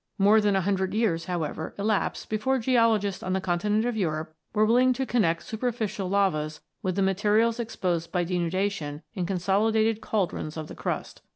More than a hundred years, however, elapsed before geologists on the continent of Europe were willing to connect superficial lavas with the materials exposed by denudation in consolidated cauldrons of the crust.